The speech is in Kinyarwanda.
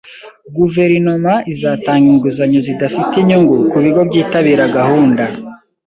Guverinoma izatanga inguzanyo zidafite inyungu ku bigo byitabira gahunda